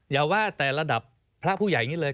อย่าว่าแต่ระดับพระผู้ใหญ่อย่างนี้เลย